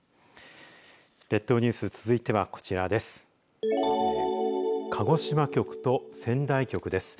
列島ニュース続いてはこちらです。